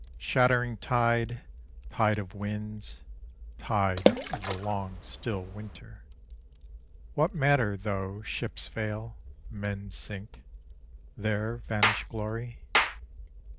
Shattering tide, tide of winds, tide of the long still winter, What matter though ships fail, men sink, there vanish glory?